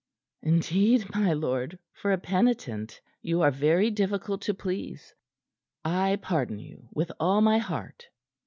"Indeed, my lord, for a penitent, you are very difficult to please. I pardon you with all my heart."